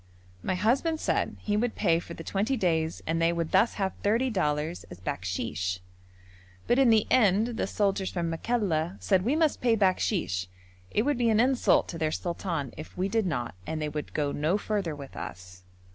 My husband said he would pay for the twenty days and they would thus have thirty dollars as bakshish. But, in the end, the soldiers from Makalla said we must pay bakshish: it would be an insult to their sultan if we did not and they would go no further with us.